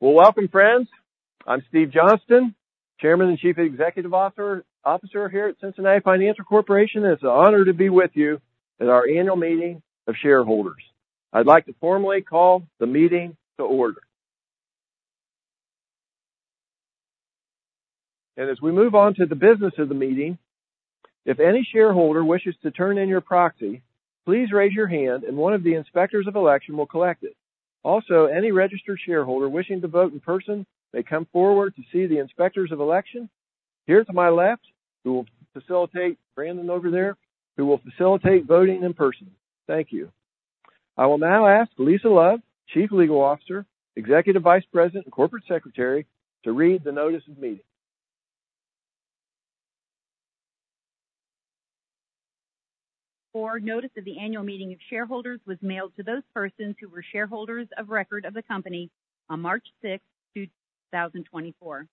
All right. Well, welcome, friends. I'm Steve Johnston, Chairman and Chief Executive Officer, Officer here at Cincinnati Financial Corporation, and it's an honor to be with you at our annual meeting of shareholders. I'd like to formally call the meeting to order. As we move on to the business of the meeting, if any shareholder wishes to turn in your proxy, please raise your hand, and one of the inspectors of election will collect it. Also, any registered shareholder wishing to vote in person, may come forward to see the inspectors of election here to my left, who will facilitate, Brandon over there, who will facilitate voting in person. Thank you. I will now ask Lisa Love, Chief Legal Officer, Executive Vice President, and Corporate Secretary, to read the notice of meeting. The notice of the annual meeting of shareholders was mailed to those persons who were shareholders of record of the company on March 6, 2024.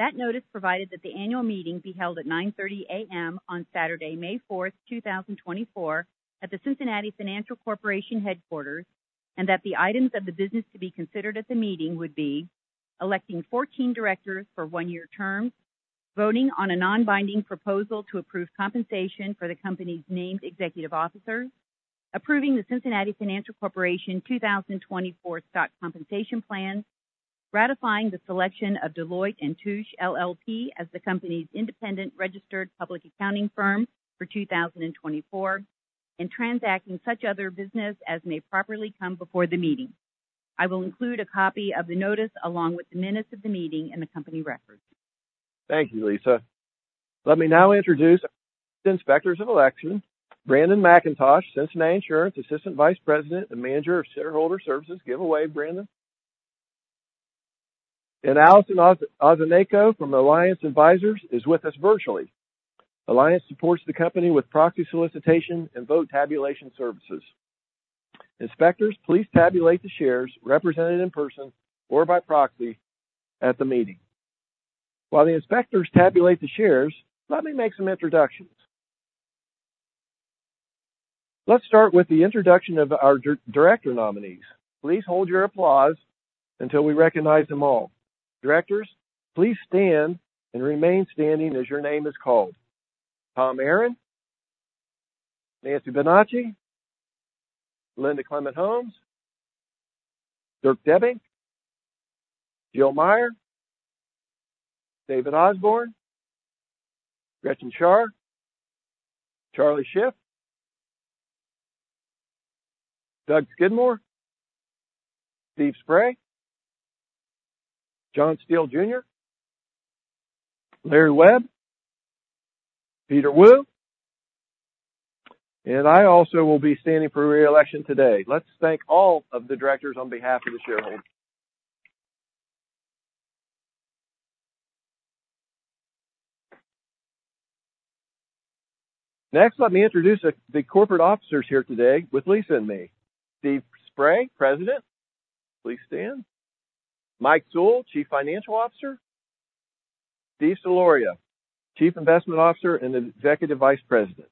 That notice provided that the annual meeting be held at 9:30 A.M. on Saturday, May 4, 2024, at the Cincinnati Financial Corporation headquarters, and that the items of the business to be considered at the meeting would be: electing 14 directors for one-year terms, voting on a non-binding proposal to approve compensation for the company's named executive officers, approving the Cincinnati Financial Corporation 2024 Stock Compensation Plan, ratifying the selection of Deloitte & Touche LLP as the company's independent registered public accounting firm for 2024, and transacting such other business as may properly come before the meeting. I will include a copy of the notice along with the minutes of the meeting in the company records. Thank you, Lisa. Let me now introduce the inspectors of election. Brandon McIntosh, Cincinnati Insurance, Assistant Vice President and Manager of Shareholder Services. Give a wave, Brandon. And Allison Azenne from Alliance Advisors is with us virtually. Alliance supports the company with proxy solicitation and vote tabulation services. Inspectors, please tabulate the shares represented in person or by proxy at the meeting. While the inspectors tabulate the shares, let me make some introductions. Let's start with the introduction of our director nominees. Please hold your applause until we recognize them all. Directors, please stand and remain standing as your name is called. Thomas J. Aaron, Nancy C. Benacci, Linda W. Clement-Holmes, Dirk J. Debbink, Jill P. Meyer, David P. Osborn, Gretchen W. Schar, Charles O. Schiff, Douglas S. Skidmore, Stephen M. Spray, John F. Steele, Jr., Larry R. Webb, Cheng-Sheng Peter Wu, and I also will be standing for reelection today. Let's thank all of the directors on behalf of the shareholders. Next, let me introduce the corporate officers here today with Lisa and me. Steve Spray, President, please stand. Mike Sewell, Chief Financial Officer. Steve Solorio, Chief Investment Officer and Executive Vice President.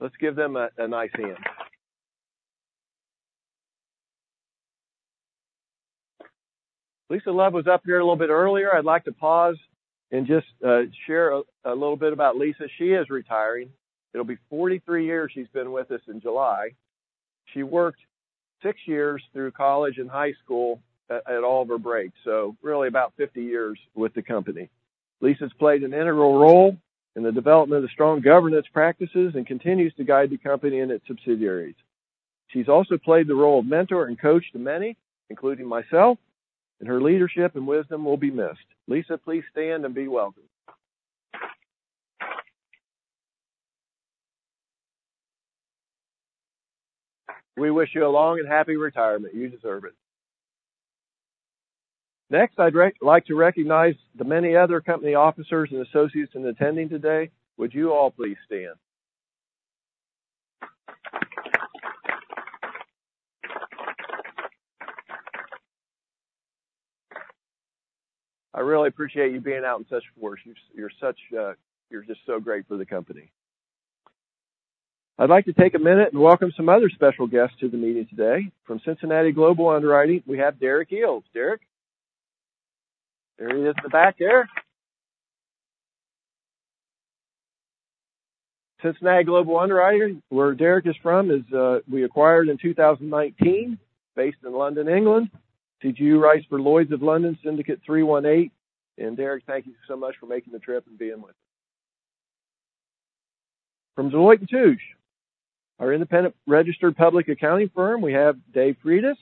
Let's give them a nice hand. Lisa Love was up here a little bit earlier. I'd like to pause and just share a little bit about Lisa. She is retiring. It'll be 43 years she's been with us in July. She worked six years through college and high school at all of her breaks, so really about 50 years with the company. Lisa's played an integral role in the development of strong governance practices and continues to guide the company and its subsidiaries. She's also played the role of mentor and coach to many, including myself, and her leadership and wisdom will be missed. Lisa, please stand and be welcomed. We wish you a long and happy retirement. You deserve it. Next, I'd like to recognize the many other company officers and associates in attending today. Would you all please stand? I really appreciate you being out in such force. You're, you're such a, you're just so great for the company. I'd like to take a minute and welcome some other special guests to the meeting today. From Cincinnati Global Underwriting, we have Derek Eales. Derek? There he is at the back there. Cincinnati Global Underwriting, where Derek is from, is, we acquired in 2019, based in London, England. CGU writes for Lloyd's of London, Syndicate 318. And Derek, thank you so much for making the trip and being with us. From Deloitte & Touche, our independent registered public accounting firm, we have David Freitas,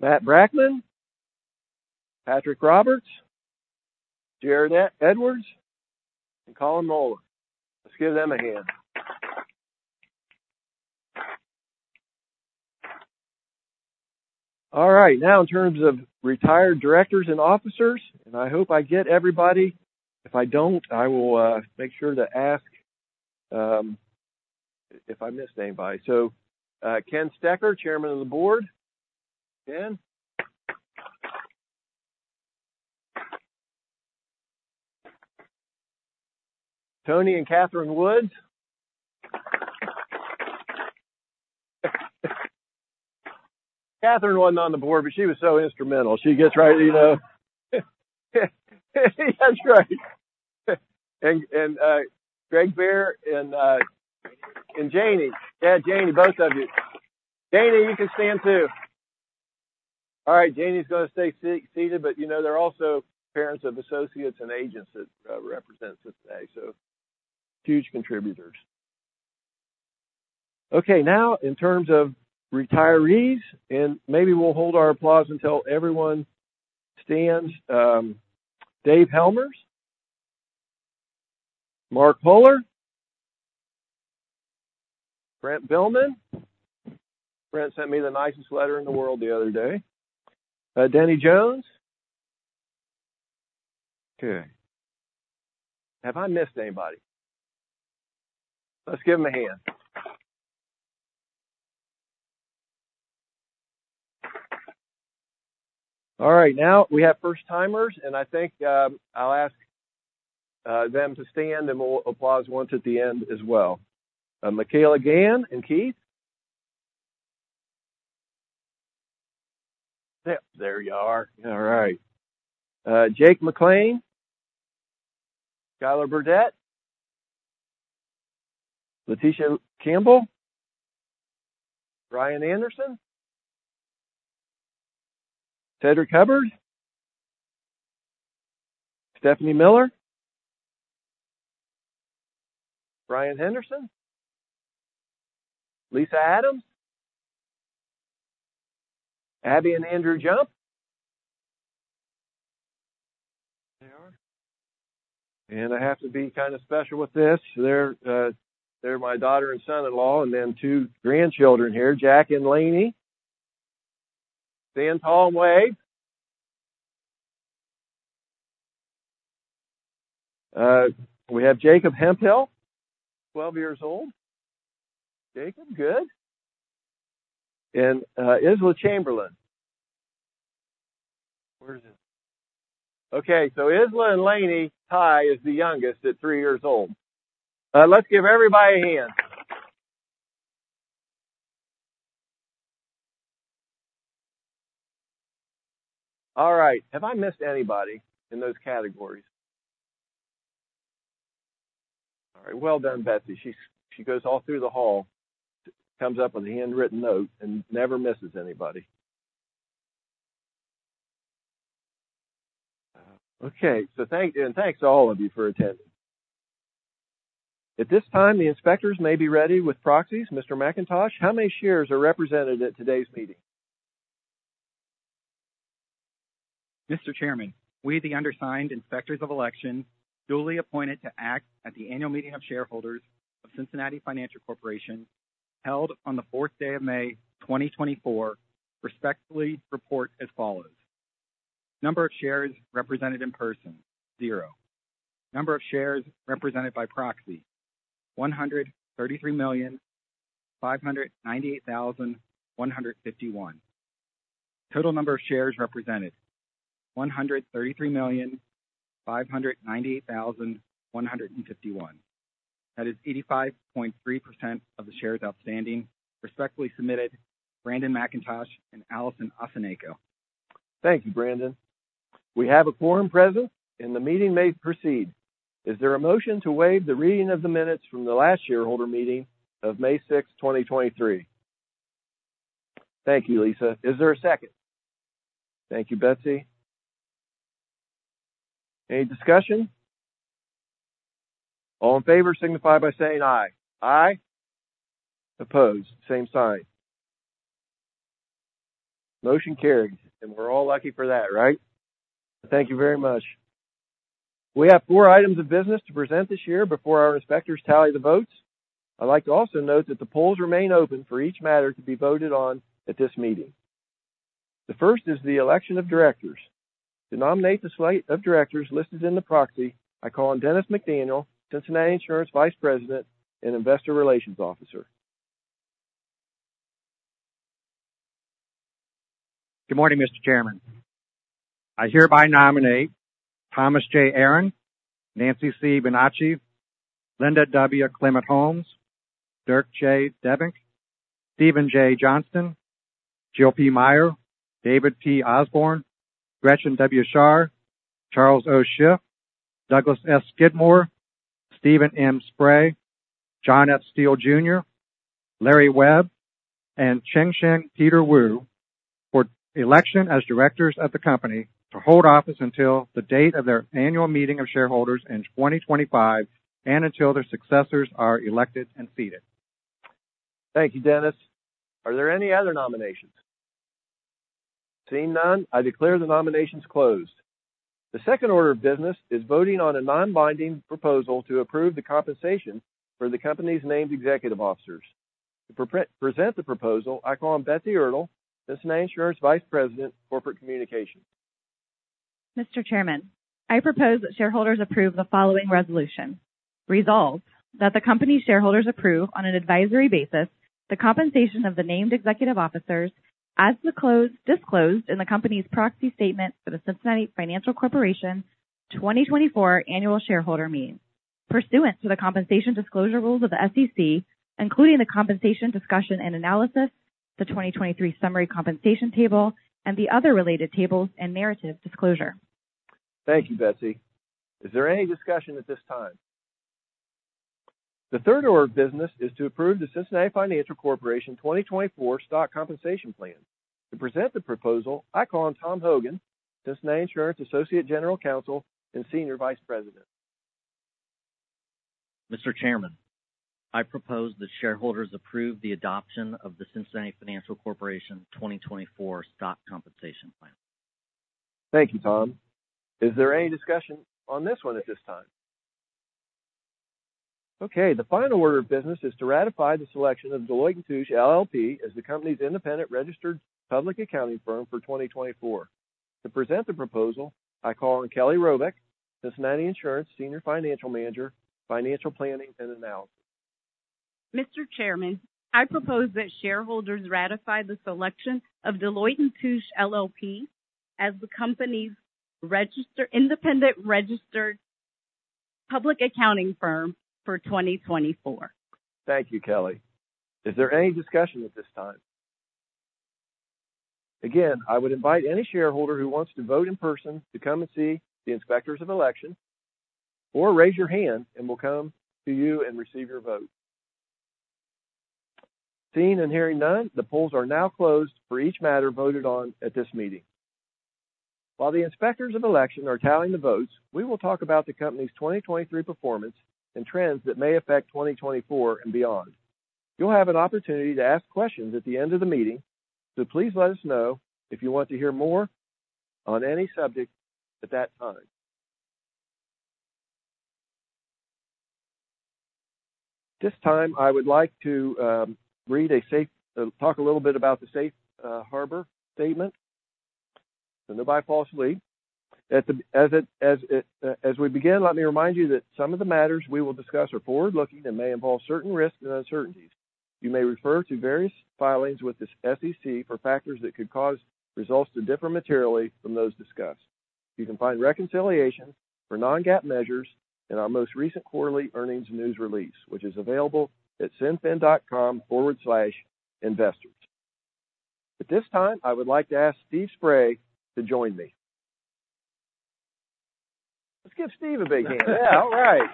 Matt Brackman, Patrick Roberts, Jeanette Edwards, and Colin Mohler. Let's give them a hand. All right, now, in terms of retired directors and officers, and I hope I get everybody. If I don't, I will make sure to ask if I missed anybody. So, Ken Stecher, Chairman of the Board. Ken? Tony and Catherine Woods. Catherine wasn't on the board, but she was so instrumental. She gets right, you know? That's right. And, and, Greg Baer and, and Janie. Yeah, Janie, both of you. Janie, you can stand, too. All right, Janie's gonna stay seated, but, you know, they're also parents of associates and agents that represent us today, so huge contributors. Okay, now, in terms of retirees, and maybe we'll hold our applause until everyone stands. Dave Helmers, Mark Mueller, Brent Billman. Brent sent me the nicest letter in the world the other day. Danny Jones. Good. Have I missed anybody? Let's give them a hand. All right, now, we have first-timers, and I think, I'll ask them to stand, and we'll applause once at the end as well. Michaela Gann and Keith. Yep, there you are. All right. Jake McLean, Skyler Burdette, Leticia Campbell, Brian Anderson, Cedric Hubbard, Stephanie Miller, Brian Henderson, Lisa Adams, Abby and Andrew Jump. There they are. And I have to be kind of special with this. They're, they're my daughter and son-in-law, and then two grandchildren here, Jack and Laney. Stan Palmway. We have Jacob Hemphill, 12 years old. Jacob, good. And, Isla Chamberlain. Where is she? Okay, so Isla and Laney Ty is the youngest at three years old. Let's give everybody a hand. All right. Have I missed anybody in those categories? All right. Well done, Betsy. She goes all through the hall, comes up with a handwritten note and never misses anybody. Okay, so thank you, and thanks to all of you for attending. At this time, the inspectors may be ready with proxies. Mr. McIntosh, how many shares are represented at today's meeting? Mr. Chairman, we, the undersigned, inspectors of election, duly appointed to act at the annual meeting of shareholders of Cincinnati Financial Corporation, held on the fourth day of May 2024, respectfully report as follows: number of shares represented in person, 0. Number of shares represented by proxy, 133,598,151. Total number of shares represented, 133,598,151. That is 85.3% of the shares outstanding. Respectfully submitted, Brandon McIntosh and Allison Azenne. Thank you, Brandon. We have a quorum present, and the meeting may proceed. Is there a motion to waive the reading of the minutes from the last shareholder meeting of May 6, 2023? Thank you, Lisa. Is there a second? Thank you, Betsy. Any discussion? All in favor signify by saying aye. Aye. Opposed, same sign. Motion carried, and we're all lucky for that, right? Thank you very much. We have 4 items of business to present this year before our inspectors tally the votes. I'd like to also note that the polls remain open for each matter to be voted on at this meeting. The first is the election of directors. To nominate the slate of directors listed in the proxy, I call on Dennis McDaniel, Cincinnati Insurance Vice President and Investor Relations Officer. Good morning, Mr. Chairman. I hereby nominate Thomas J. Aaron, Nancy C. Benacci, Linda W. Clement-Holmes, Dirk J. Debbink, Stephen J. Johnston, Jill P. Meyer, David P. Osborn, Gretchen W. Schar, Charles O. Schiff, Douglas S. Skidmore, Stephen M. Spray, John F. Steele, Jr., Larry R. Webb, and Cheng-Sheng Peter Wu, for election as directors of the company to hold office until the date of their annual meeting of shareholders in 2025, and until their successors are elected and seated. Thank you, Dennis. Are there any other nominations? Seeing none, I declare the nominations closed. The second order of business is voting on a non-binding proposal to approve the compensation for the company's named executive officers. To present the proposal, I call on Betsy E. Ertel, Cincinnati Insurance Company Vice President, Corporate Communications. Mr. Chairman, I propose that shareholders approve the following resolution: Resolved, that the company's shareholders approve, on an advisory basis, the compensation of the named executive officers as disclosed in the company's proxy statement for the Cincinnati Financial Corporation 2024 Annual Shareholder Meeting, pursuant to the compensation disclosure rules of the SEC, including the compensation discussion and analysis, the 2023 summary compensation table, and the other related tables and narrative disclosure. Thank you, Betsy. Is there any discussion at this time? The third order of business is to approve the Cincinnati Financial Corporation 2024 Stock Compensation Plan. To present the proposal, I call on Tom Hogan, Cincinnati Insurance Associate General Counsel and Senior Vice President. Mr. Chairman, I propose that shareholders approve the adoption of the Cincinnati Financial Corporation 2024 Stock Compensation Plan. Thank you, Tom. Is there any discussion on this one at this time? Okay, the final order of business is to ratify the selection of Deloitte & Touche LLP as the company's independent registered public accounting firm for 2024. To present the proposal, I call on Kelly Robeck, Cincinnati Insurance Senior Financial Manager, Financial Planning and Analysis. Mr. Chairman, I propose that shareholders ratify the selection of Deloitte & Touche LLP as the company's independent registered public accounting firm for 2024. Thank you, Kelly. Is there any discussion at this time? Again, I would invite any shareholder who wants to vote in person to come and see the inspectors of election, or raise your hand and we'll come to you and receive your vote. Seeing and hearing none, the polls are now closed for each matter voted on at this meeting. While the inspectors of election are tallying the votes, we will talk about the company's 2023 performance and trends that may affect 2024 and beyond. You'll have an opportunity to ask questions at the end of the meeting, so please let us know if you want to hear more on any subject at that time. This time, I would like to talk a little bit about the safe harbor statement, so nobody falls asleep. As we begin, let me remind you that some of the matters we will discuss are forward-looking and may involve certain risks and uncertainties. You may refer to various filings with the SEC for factors that could cause results to differ materially from those discussed. You can find reconciliation for non-GAAP measures in our most recent quarterly earnings news release, which is available at cinfin.com/investors. At this time, I would like to ask Steve Spray to join me. Let's give Steve a big hand. All right!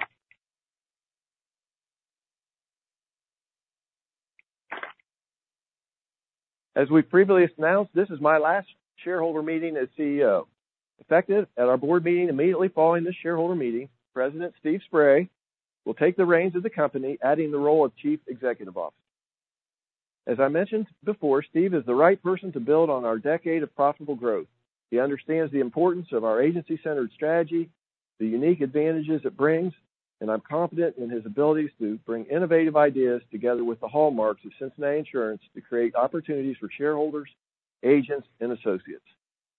As we previously announced, this is my last shareholder meeting as CEO. Effective at our board meeting, immediately following this shareholder meeting, President Steve Spray will take the reins of the company, adding the role of Chief Executive Officer. As I mentioned before, Steve is the right person to build on our decade of profitable growth. He understands the importance of our agency-centered strategy, the unique advantages it brings, and I'm confident in his abilities to bring innovative ideas together with the hallmarks of Cincinnati Insurance to create opportunities for shareholders, agents, and associates.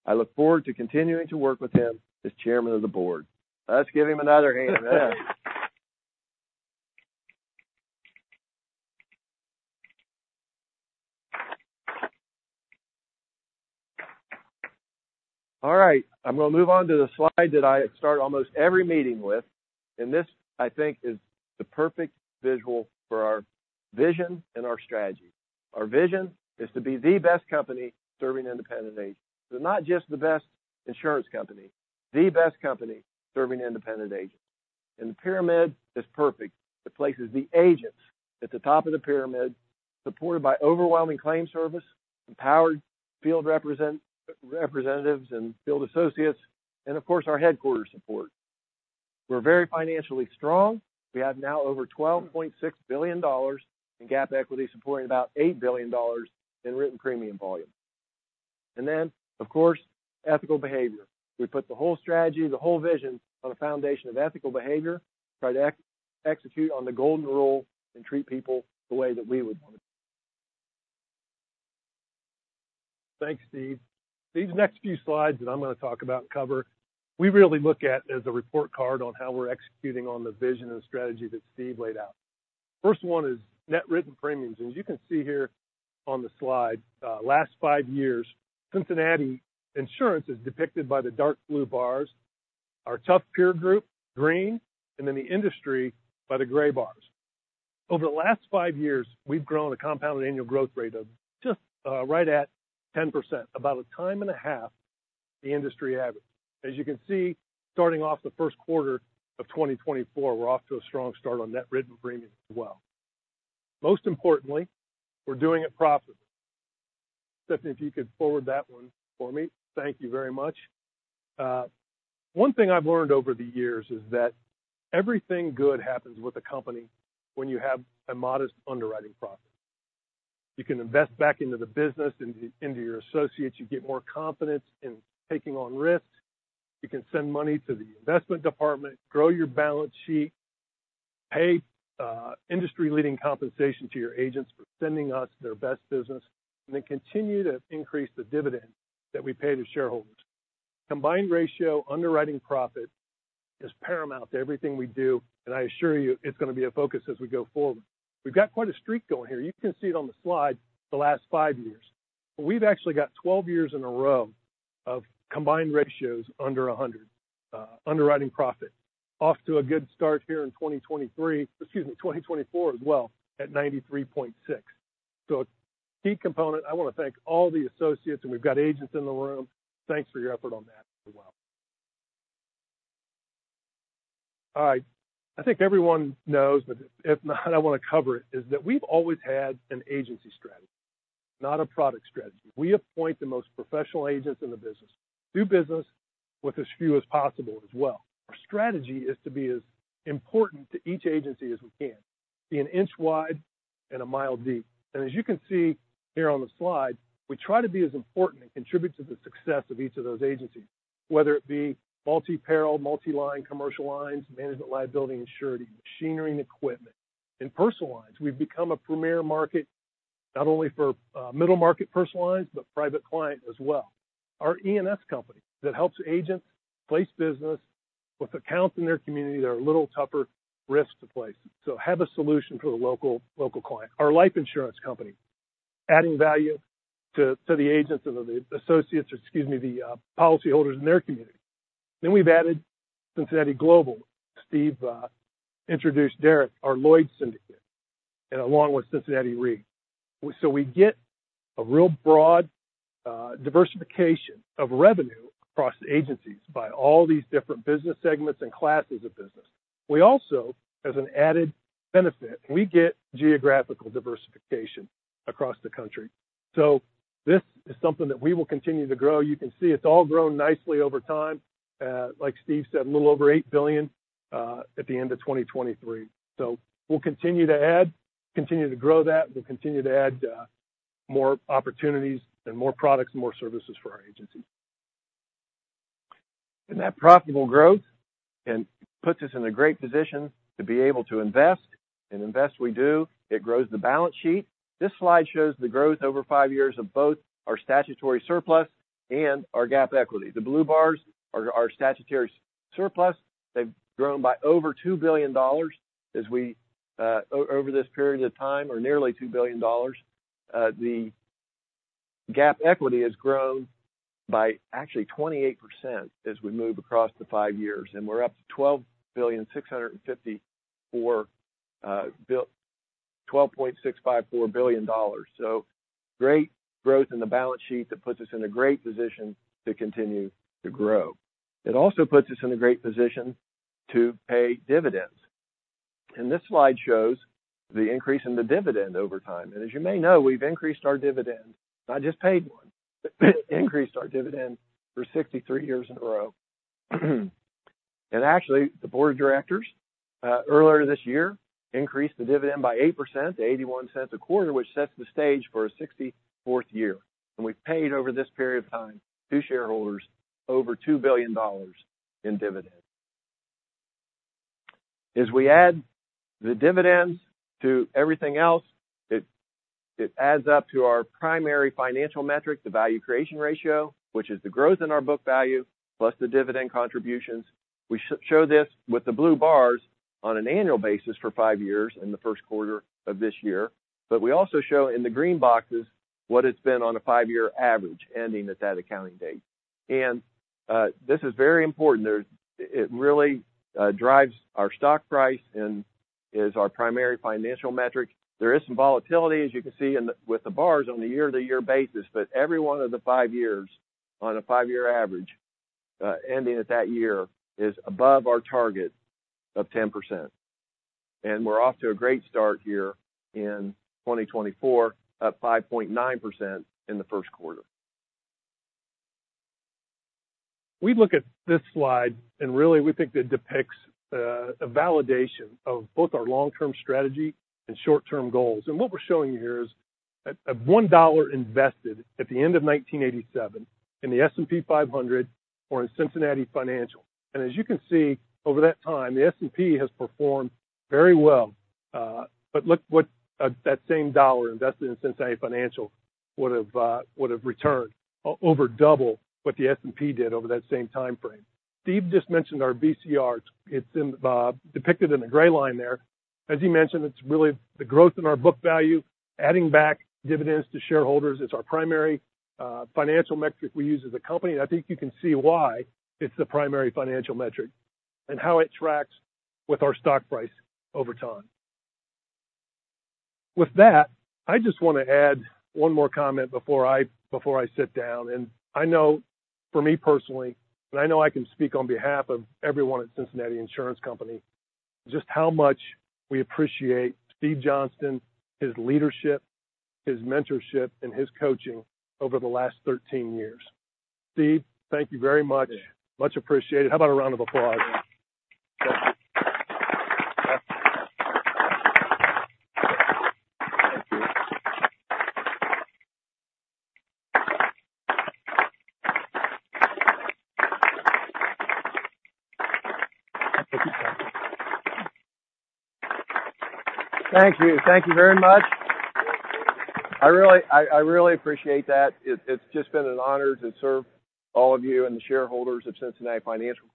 I look forward to continuing to work with him as chairman of the board. Let's give him another hand. All right, I'm going to move on to the slide that I start almost every meeting with, and this, I think, is the perfect visual for our vision and our strategy. Our vision is to be the best company serving independent agents, so not just the best insurance company, the best company serving independent agents. The pyramid is perfect. It places the agents at the top of the pyramid, supported by overwhelming claim service, empowered field representatives and field associates, and of course, our headquarters support. We're very financially strong. We have now over $12.6 billion in GAAP equity, supporting about $8 billion in written premium volume. And then, of course, ethical behavior. We put the whole strategy, the whole vision on a foundation of ethical behavior, try to execute on the golden rule and treat people the way that we would want to. Thanks, Steve. These next few slides that I'm going to talk about cover, we really look at as a report card on how we're executing on the vision and strategy that Steve laid out. First one is net written premiums, and you can see here on the slide, last 5 years, Cincinnati Insurance is depicted by the dark blue bars, our tough peer group, green, and then the industry by the gray bars. Over the last 5 years, we've grown a compounded annual growth rate of just right at 10%, about a time and a half the industry average. As you can see, starting off the first quarter of 2024, we're off to a strong start on net written premiums as well. Most importantly, we're doing it profitably. Stephanie, if you could forward that one for me. Thank you very much. One thing I've learned over the years is that everything good happens with a company when you have a modest underwriting profit. You can invest back into the business, into your associates. You get more confidence in taking on risks. You can send money to the investment department, grow your balance sheet, pay industry-leading compensation to your agents for sending us their best business, and then continue to increase the dividend that we pay to shareholders. combined ratio underwriting profit is paramount to everything we do, and I assure you, it's going to be a focus as we go forward. We've got quite a streak going here. You can see it on the slide for the last 5 years. We've actually got 12 years in a row of combined ratios under 100. Underwriting profit, off to a good start here in 2023, excuse me, 2024 as well, at 93.6. So a key component, I want to thank all the associates, and we've got agents in the room. Thanks for your effort on that as well. All right, I think everyone knows, but if not, I want to cover it, is that we've always had an agency strategy, not a product strategy. We appoint the most professional agents in the business, do business with as few as possible as well. Our strategy is to be as important to each agency as we can, be an inch wide and a mile deep. As you can see here on the slide, we try to be as important and contribute to the success of each of those agencies, whether it be multi-peril, multi-line, commercial lines, management liability and surety, machinery and equipment. In personal lines, we've become a premier market, not only for middle market personal lines, but private client as well. Our E&S company that helps agents place business with accounts in their community that are a little tougher risk to place, so have a solution for the local client. Our life insurance company, adding value to the agents and the associates, or excuse me, the policyholders in their community. Then we've added Cincinnati Global. Steve introduced Derek, our Lloyd's syndicate, and along with Cincinnati Re. So we get a real broad, diversification of revenue across agencies by all these different business segments and classes of business. We also, as an added benefit, we get geographical diversification across the country. So this is something that we will continue to grow. You can see it's all grown nicely over time. Like Steve said, a little over $8 billion, at the end of 2023. So we'll continue to add, continue to grow that. We'll continue to add, more opportunities and more products and more services for our agencies. That profitable growth, and puts us in a great position to be able to invest, and invest we do. It grows the balance sheet. This slide shows the growth over five years of both our statutory surplus and our GAAP equity. The blue bars are our statutory surplus. They've grown by over $2 billion as we over this period of time, or nearly $2 billion. The GAAP equity has grown by actually 28% as we move across the five years, and we're up to $12.654 billion. Great growth in the balance sheet that puts us in a great position to continue to grow. It also puts us in a great position to pay dividends, and this slide shows the increase in the dividend over time. As you may know, we've increased our dividend, not just paid one, increased our dividend for 63 years in a row. Actually, the board of directors earlier this year increased the dividend by 8% to $0.81 a quarter, which sets the stage for a 64th year. We've paid over this period of time to shareholders over $2 billion in dividends. As we add the dividends to everything else, it, it adds up to our primary financial metric, the value creation ratio, which is the growth in our book value plus the dividend contributions. We show this with the blue bars on an annual basis for 5 years in the first quarter of this year, but we also show in the green boxes what it's been on a 5-year average, ending at that accounting date. This is very important. It really drives our stock price and is our primary financial metric. There is some volatility, as you can see in the, with the bars on a year-to-year basis, but every one of the five years on a five-year average, ending at that year, is above our target of 10%. And we're off to a great start here in 2024, up 5.9% in the first quarter. We look at this slide, and really, we think it depicts a validation of both our long-term strategy and short-term goals. What we're showing you here is that a $1 invested at the end of 1987 in the S&P 500 or in Cincinnati Financial. As you can see, over that time, the S&P has performed very well, but look what that same dollar invested in Cincinnati Financial would've returned over double what the S&P did over that same time frame. Steve just mentioned our VCR. It's depicted in the gray line there. As he mentioned, it's really the growth in our book value, adding back dividends to shareholders. It's our primary financial metric we use as a company. I think you can see why it's the primary financial metric and how it tracks with our stock price over time. With that, I just want to add one more comment before I sit down. I know for me personally, and I know I can speak on behalf of everyone at Cincinnati Insurance Company, just how much we appreciate Steve Johnston, his leadership, his mentorship, and his coaching over the last 13 years. Steve, thank you very much. Yeah. Much appreciated. How about a round of applause? Thank you. Thank you very much. I really appreciate that. It's just been an honor to serve all of you and the shareholders of Cincinnati Financial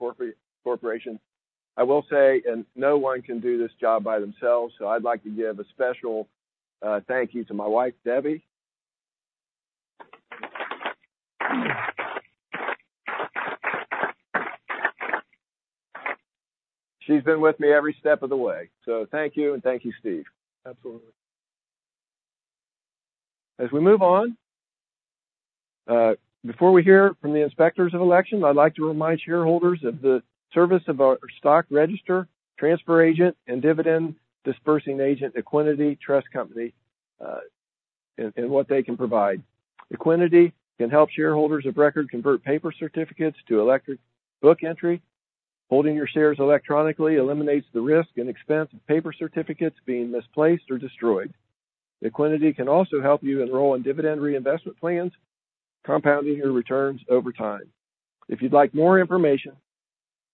Corporation. I will say, and no one can do this job by themselves, so I'd like to give a special thank you to my wife, Debbie. She's been with me every step of the way. So thank you, and thank you, Steve. Absolutely. As we move on, before we hear from the inspectors of election, I'd like to remind shareholders of the service of our stock register, transfer agent, and dividend disbursing agent, Equiniti Trust Company, and what they can provide. Equiniti can help shareholders of record convert paper certificates to electronic book entry. Holding your shares electronically eliminates the risk and expense of paper certificates being misplaced or destroyed. Equiniti can also help you enroll in dividend reinvestment plans, compounding your returns over time. If you'd like more information,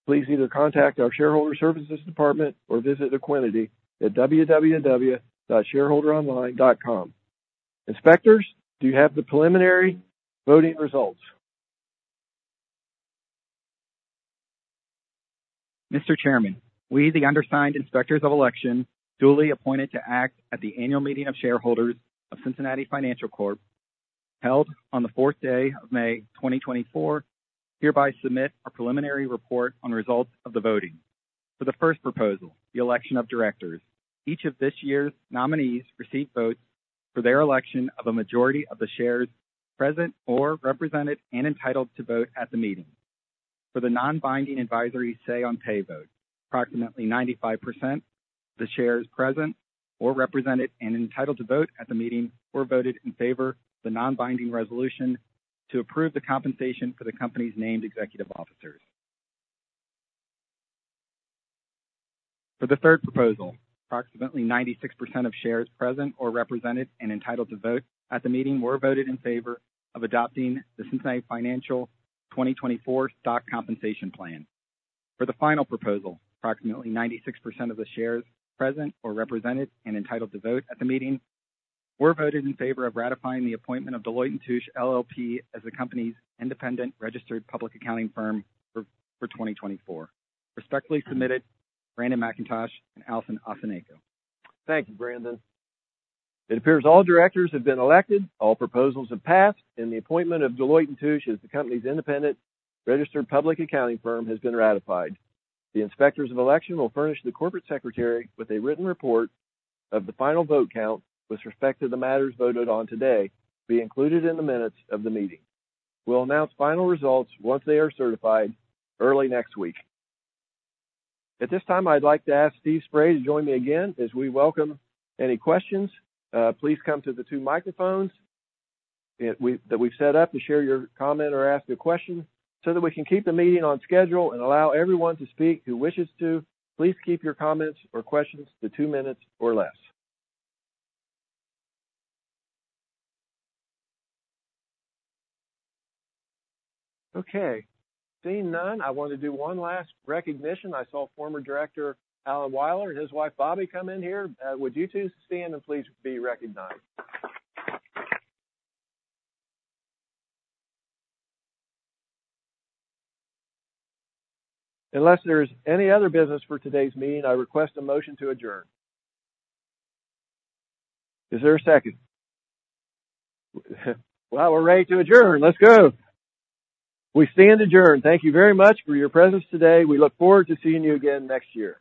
please either contact our shareholder services department or visit Equiniti at www.shareowneronline.com. Inspectors, do you have the preliminary voting results? Mr. Chairman, we, the undersigned inspectors of election, duly appointed to act at the annual meeting of shareholders of Cincinnati Financial Corporation, held on the fourth day of May 2024, hereby submit a preliminary report on the results of the voting. For the first proposal, the election of directors, each of this year's nominees received votes for their election of a majority of the shares present or represented and entitled to vote at the meeting. For the non-binding advisory Say on Pay vote, approximately 95% of the shares present or represented and entitled to vote at the meeting were voted in favor of the non-binding resolution to approve the compensation for the company's Named Executive Officers. For the third proposal, approximately 96% of shares present or represented and entitled to vote at the meeting were voted in favor of adopting the Cincinnati Financial 2024 Stock Compensation Plan. For the final proposal, approximately 96% of the shares present or represented and entitled to vote at the meeting were voted in favor of ratifying the appointment of Deloitte & Touche LLP as the company's independent registered public accounting firm for 2024. Respectfully submitted, Brandon McIntosh and Allison Azenne. Thank you, Brandon. It appears all directors have been elected, all proposals have passed, and the appointment of Deloitte & Touche as the company's independent registered public accounting firm has been ratified. The inspectors of election will furnish the corporate secretary with a written report of the final vote count with respect to the matters voted on today, to be included in the minutes of the meeting. We'll announce final results once they are certified early next week. At this time, I'd like to ask Steve Spray to join me again as we welcome any questions. Please come to the two microphones that we've set up to share your comment or ask a question. So that we can keep the meeting on schedule and allow everyone to speak who wishes to, please keep your comments or questions to two minutes or less. Okay, seeing none, I want to do one last recognition. I saw former director, Allen Weiler, and his wife, Bobby, come in here. Would you two stand and please be recognized? Unless there's any other business for today's meeting, I request a motion to adjourn. Is there a second? Well, we're ready to adjourn. Let's go. We stand adjourned. Thank you very much for your presence today. We look forward to seeing you again next year.